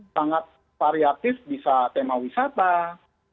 nah temanya sangat variatif bisa tema wisata makanan atau hobi